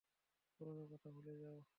পুরানো কথা ভুলে যাও।